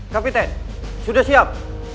kapten sudah siap